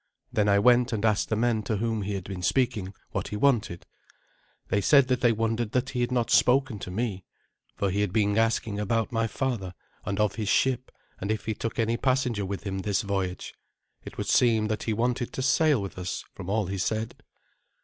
Then I went and asked the men to whom he had been speaking what he wanted. They said that they wondered that he had not spoken to me, for he had been asking about my father and of his ship, and if he took any passenger with him this voyage. It would seem that he wanted to sail with us, from all he said.